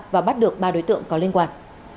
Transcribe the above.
và bắt được ba đối tượng có liên quan